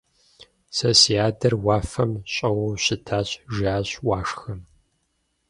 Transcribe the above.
Сэ си адэр уафэм щӀэуэу щытащ, - жиӀащ Уашхэм.